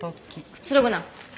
くつろぐな。